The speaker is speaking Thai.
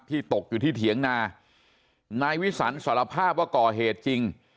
ตกอยู่ที่เถียงนานายวิสันสารภาพว่าก่อเหตุจริง